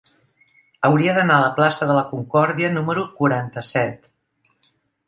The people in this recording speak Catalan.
Hauria d'anar a la plaça de la Concòrdia número quaranta-set.